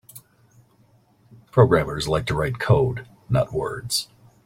Programmers like to write code; not words.